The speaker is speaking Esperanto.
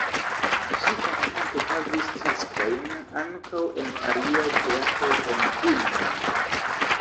Ŝi konstante havis taskojn ankaŭ en aliaj teatroj, en filmoj.